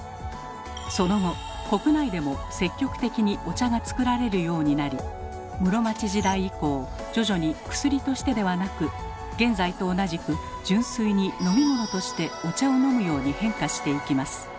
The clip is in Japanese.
その後国内でも積極的にお茶が作られるようになり室町時代以降徐々に薬としてではなく現在と同じく純粋に飲み物としてお茶を飲むように変化していきます。